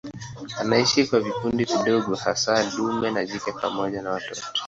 Anaishi kwa vikundi vidogo hasa dume na jike pamoja na watoto.